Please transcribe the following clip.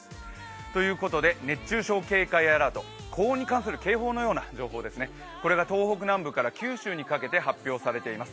ということで熱中症警戒アラート、高温に関する警戒アラート、これが東北南部から九州にかけて発表されています。